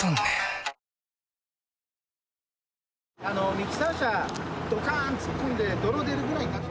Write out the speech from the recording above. ミキサー車ドカーン突っ込んで泥出るぐらい。